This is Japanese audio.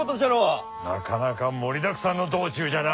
なかなか盛りだくさんの道中じゃな。